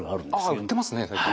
ああ売ってますね最近。